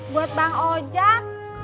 buat bang ojak